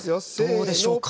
どうでしょうか。